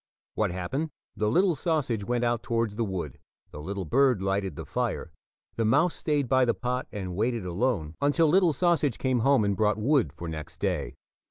What happened? The little sausage went out towards the wood, the little bird lighted the fire, the mouse stayed by the pot and waited alone until little sausage came home and brought wood for next day.